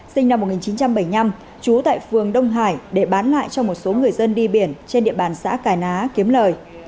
sinh năm một nghìn chín trăm bảy mươi năm trú tại phường đông hải để bán lại cho một số người dân đi biển trên địa bàn xã cà ná kiếm lời